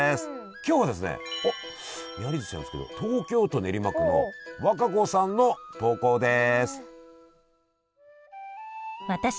今日はですねおっめはりずしなんですけど東京都練馬区の和歌子さんの投稿です。